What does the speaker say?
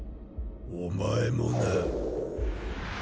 お前もな。